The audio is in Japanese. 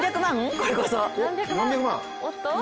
これこそ。